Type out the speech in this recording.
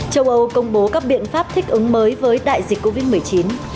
châu âu công bố các biện pháp thích ứng mới với đại dịch covid một mươi chín